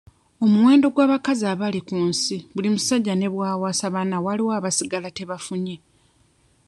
Omuwendo gw'abakazi abali ku nsi buli musajja ne bw'awasa bana waliwo abasigala tebafunye.